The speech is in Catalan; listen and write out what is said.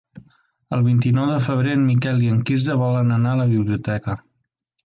El vint-i-nou de febrer en Miquel i en Quirze volen anar a la biblioteca.